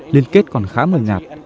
liên kết còn khá mờ nhạt